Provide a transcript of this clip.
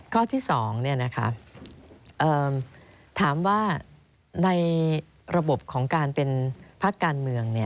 ข้อที่๒ถามว่าในระบบของการเป็นพักการเมือง